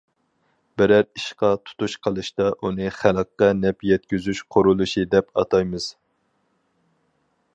بىرەر ئىشقا تۇتۇش قىلىشتا ئۇنى« خەلققە نەپ يەتكۈزۈش قۇرۇلۇشى» دەپ ئاتايمىز.